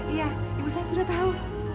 iya ibu saya sudah tahu